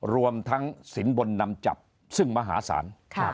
รวมทั้งสินบนนำจับซึ่งมหาศาล